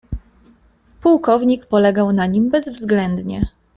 "Pułkownik polegał na nim bezwzględnie."